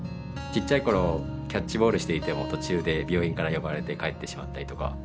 ちっちゃい頃キャッチボールしていても途中で病院から呼ばれて帰ってしまったりとか。